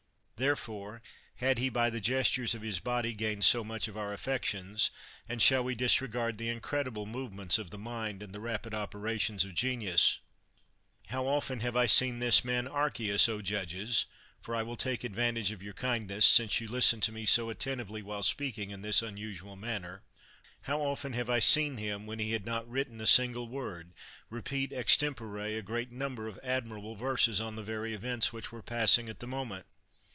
Therefore had he by the gestures of his body gained so much of our affections, and shall we disregard the incredible movements of the mind, and the rapid operations of genius ? How often have I seen this man, Archias, O judges — (for I will take advantage of your kindness, since you listen to me so attentively while speaking in this unusual manner) — ^how often have I seen 140 CICERO him, when he had not written a single word, re peat extempore a great number of admirable verses on the very events which were passing at the moment